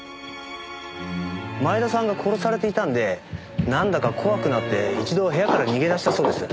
前田さんが殺されていたんでなんだか怖くなって一度部屋から逃げ出したそうです。